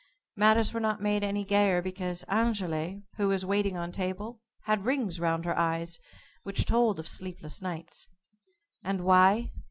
Matters were not made any gayer because Angéle, who was waiting on table, had rings round her eyes, which told of sleepless nights. And why?